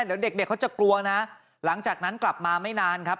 เดี๋ยวเด็กเด็กเขาจะกลัวนะหลังจากนั้นกลับมาไม่นานครับ